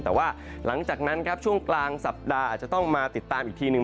แต่ว่าหลังจากนั้นครับช่วงกลางสัปดาห์อาจจะต้องมาติดตามอีกทีหนึ่ง